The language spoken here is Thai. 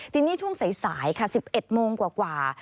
ทีนี้ช่วงสายค่ะ๑๑โมงกว่า